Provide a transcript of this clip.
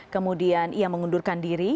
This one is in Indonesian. kemudian ia mengundurkan diri